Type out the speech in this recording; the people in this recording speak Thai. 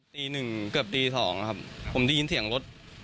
ตีหนึ่งเกือบตี๒ครับผมได้ยินเสียงรถ